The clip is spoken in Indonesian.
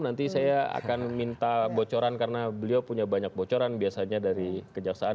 nanti saya akan minta bocoran karena beliau punya banyak bocoran biasanya dari kejaksaan